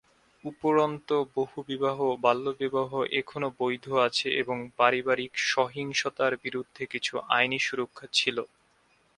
উপরন্তু, বহুবিবাহ এবং বাল্যবিবাহ এখনও বৈধ আছে এবং পারিবারিক সহিংসতার বিরুদ্ধে কিছু আইনি সুরক্ষা ছিল।